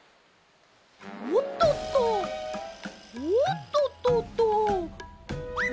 おっとっとおっとっとっとっ。